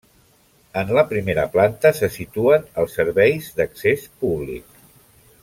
En la primera planta se situen els serveis d'accés públic.